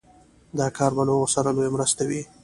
دا کار به له هغوی سره لويه مرسته وي